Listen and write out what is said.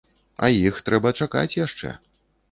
А іх трэба чакаць яшчэ.